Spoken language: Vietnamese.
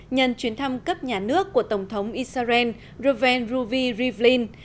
nhân chuyến thăm cấp nhà nước của tổng thống israel reuven ruvie rivlin